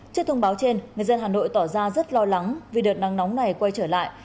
trước thông báo trên người dân hà nội tỏ ra rất lo lắng vì đợt nắng nóng này quay trở lại